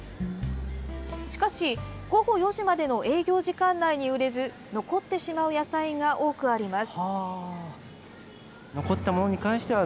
しかし、午後４時までの営業時間内に売れず残ってしまう野菜が多くあります。